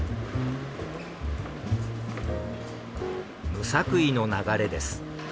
無作為の流れです。